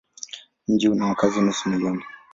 Mji una wakazi nusu milioni.